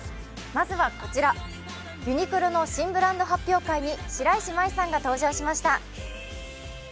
まずはこちら、ユニクロの新ブランド発表会に白石麻衣さんが登場しました。